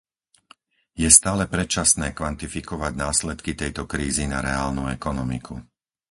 Je stále predčasné kvantifikovať následky tejto krízy na reálnu ekonomiku.